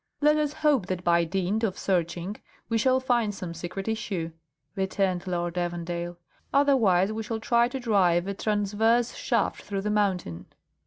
"Let us hope that by dint of searching we shall find some secret issue," returned Lord Evandale; "otherwise we shall try to drive a transverse shaft through the mountain."